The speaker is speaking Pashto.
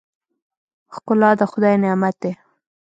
ښکلا د خدای نعمت دی.